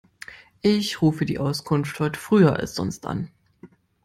Ich rufe die Auskunft heute früher als sonst an.